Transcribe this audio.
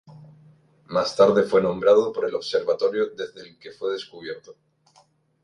Más tarde fue nombrado por el observatorio desde el que fue descubierto.